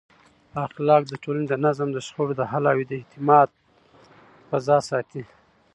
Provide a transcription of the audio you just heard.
اخلاق د ټولنې د نظم، د شخړو د حل او د اعتماد فضا ساتي.